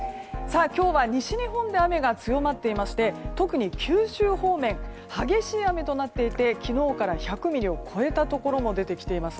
今日は西日本で雨が強まっていまして特に九州方面激しい雨となっていて昨日から１００ミリを超えたところも出てきています。